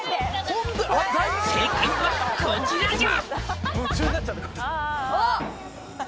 ホント「正解はこちらじゃ」